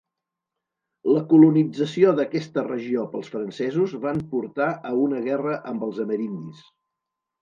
La colonització d'aquesta regió pels francesos van portar a una guerra amb els amerindis.